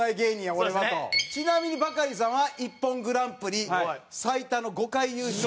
ちなみにバカリさんはＩＰＰＯＮグランプリ最多の５回優勝。